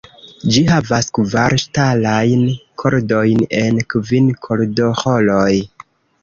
Ĝi havas kvar ŝtalajn kordojn en kvin kordoĥoroj.